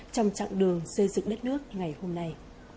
trong chặng đường xây dựng đất nước ngày hôm nay